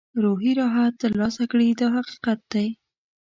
روحي راحت ترلاسه کړي دا حقیقت دی.